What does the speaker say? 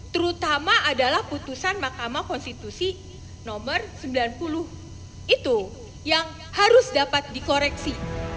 terutama adalah putusan mahkamah konstitusi nomor sembilan puluh itu yang harus dapat dikoreksi